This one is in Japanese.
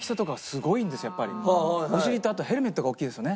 お尻とあとヘルメットが大きいですよね。